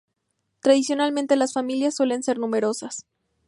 Tradicionalmente, las familias suelen ser numerosas.